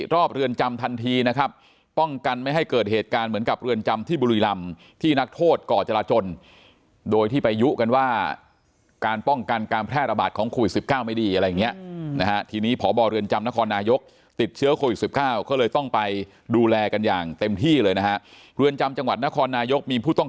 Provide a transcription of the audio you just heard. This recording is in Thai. เรือนจำทันทีนะครับป้องกันไม่ให้เกิดเหตุการณ์เหมือนกับเรือนจำที่บุรีรำที่นักโทษก่อจราจนโดยที่ไปยุกันว่าการป้องกันการแพร่ระบาดของโควิดสิบเก้าไม่ดีอะไรอย่างเงี้ยนะฮะทีนี้พบเรือนจำนครนายกติดเชื้อโควิดสิบเก้าก็เลยต้องไปดูแลกันอย่างเต็มที่เลยนะฮะเรือนจำจังหวัดนครนายกมีผู้ต้อง